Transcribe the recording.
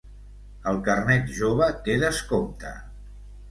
El carnet jove té descompte.